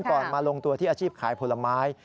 มาลงตัวที่อาชีพขายผลไม้